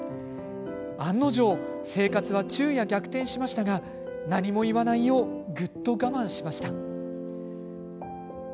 案の定生活は昼夜逆転しましたが何も言わないようぐっと我慢しました。